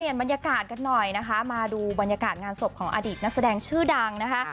บรรยากาศกันหน่อยนะคะมาดูบรรยากาศงานศพของอดีตนักแสดงชื่อดังนะคะ